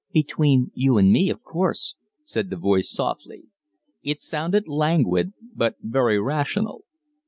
"Between you and me, of course," said the voice, softly. It sounded languid, but very rational.